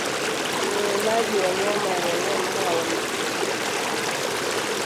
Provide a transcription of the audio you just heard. ulaji wa nyama ya wanyama hao walioathiriwa